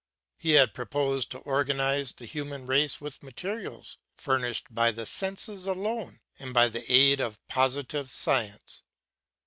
He had proposed to organize the human race with materials furnished by the senses alone, and by the aid of positive science.